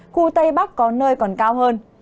khu tây bắc có nơi còn cao hơn